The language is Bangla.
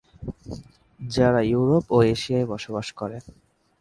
যারা ইউরোপ ও এশিয়ায় বসবাস করে।